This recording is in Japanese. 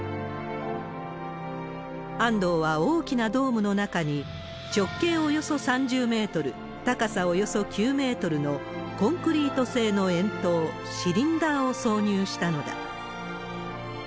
安藤は大きなドームの中に、直径およそ３０メートル、高さおよそ９メートルのコンクリート製の円筒、シリンダーを挿入したのだ。